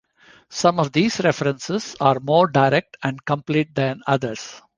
Some of these references are more direct and complete than others.